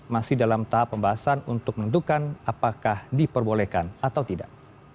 masih dalam tahap pembahasan untuk menentukan apakah diperbolehkan atau tidak